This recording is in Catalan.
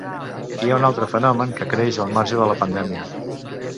Hi ha un altre fenomen que creix al marge de la pandèmia.